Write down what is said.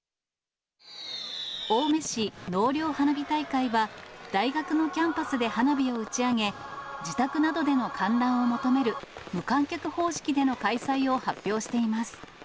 青梅市納涼花火大会は、大学のキャンパスで花火を打ち上げ、自宅などでの観覧を求める無観客方式での開催を発表しています。